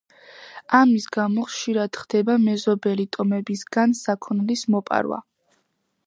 ამის გამო ხშირად ხდება მეზობელი ტომებისგან საქონლის მოპარვა.